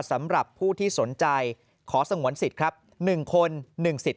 สำหรับผู้ที่สนใจขอสงวนสิทธิ์ครับ๑คน๑สิทธิ